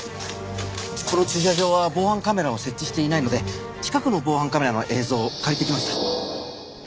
この駐車場は防犯カメラを設置していないので近くの防犯カメラの映像を借りてきました。